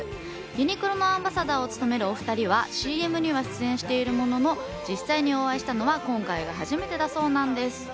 ユニクロのアンバサダーを務めるお２人は、ＣＭには出演しているものの、実際にお会いしたのは今回が初めてだそうなんです。